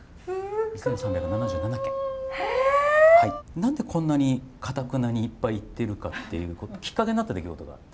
何でこんなにかたくなにいっぱい行ってるかっていうきっかけになった出来事があって。